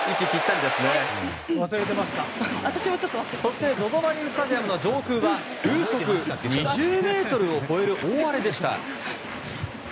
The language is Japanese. そしてＺＯＺＯマリンスタジアムの上空は風速２０メートルを超える大荒れでした。